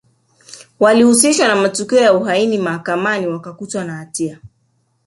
Walihusishwa na matukio ya uhaini Mahakamani wakakutwa na hatia